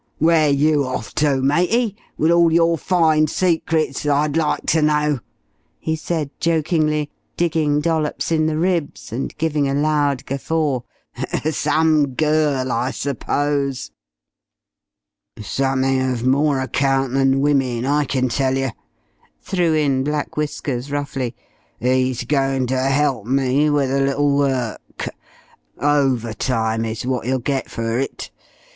"Where're you off to, matey? With all your fine secrets? I'd like to know!" he said jokingly, digging Dollops in the ribs, and giving a loud guffaw. "Some girl, I suppose." "Somethin' uv more account than women, I kin tell ye!" threw in Black Whiskers roughly. "'E's going ter help me with a little work overtime is what 'e'll get fer it.